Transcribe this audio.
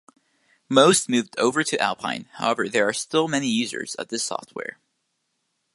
Most moved over to Alpine, however there are still many users of this software.